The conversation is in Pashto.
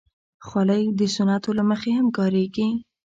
خولۍ د سنتو له مخې هم کارېږي.